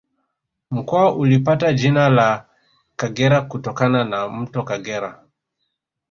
Mkoa ulipata jina la Kagera kutokana na Mto Kagera